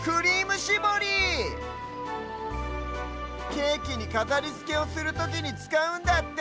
ケーキにかざりつけをするときにつかうんだって！